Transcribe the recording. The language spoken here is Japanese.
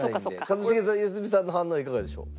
一茂さん良純さんの反応いかがでしょう？